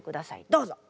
どうぞ。